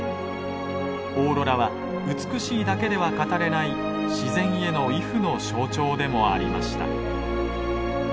オーロラは美しいだけでは語れない自然への畏怖の象徴でもありました。